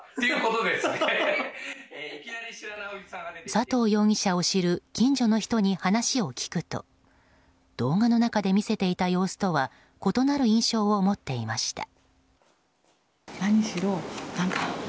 佐藤容疑者を知る近所の人に話を聞くと動画の中で見せていた様子とは異なる印象を持っていました。